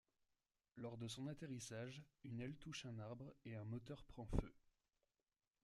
Lors de son atterrissage, une aile touche un arbre et un moteur prend feu.